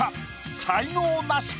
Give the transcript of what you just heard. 才能ナシか？